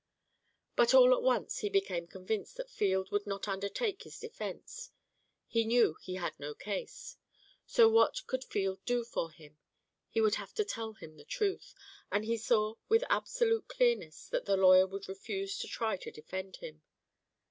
But all at once he became convinced that Field would not undertake his defence; he knew he had no case; so what could Field do for him? He would have to tell him the truth, and he saw with absolute clearness that the lawyer would refuse to try to defend him.